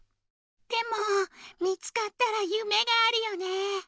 でも見つかったらゆめがあるよね。